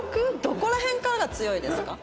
どこら辺からが強いですか？